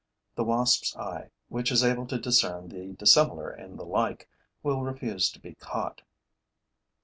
The wasp's eye, which is able to discern the dissimilar in the like, will refuse to be caught.